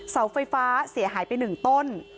เสาไฟฟ้าเสียหายไป๑ต้น